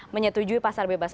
menyetujui pasar bebas